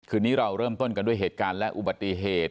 นี้เราเริ่มต้นกันด้วยเหตุการณ์และอุบัติเหตุ